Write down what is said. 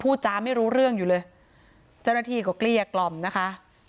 จ้าไม่รู้เรื่องอยู่เลยเจ้าหน้าที่ก็เกลี้ยกล่อมนะคะ